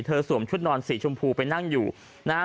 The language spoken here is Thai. สวมชุดนอนสีชมพูไปนั่งอยู่นะฮะ